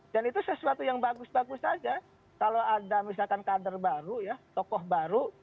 dan itu sesuatu yang bagus bagus saja kalau ada misalkan kader baru ya tokoh baru